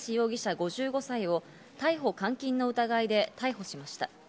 ５５歳を逮捕監禁の疑いで逮捕しました。